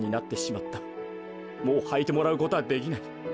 もうはいてもらうことはできない。